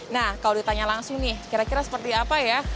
nah kalau ditanya langsung nih kira kira seperti apa ya